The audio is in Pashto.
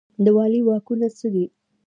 د والي واکونه څه دي؟